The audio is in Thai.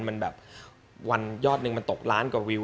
มันแบบวันยอดหนึ่งมันตกล้านกว่าวิว